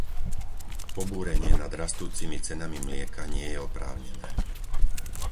Pobúrenie nad rastúcimi cenami mlieka nie je oprávnené.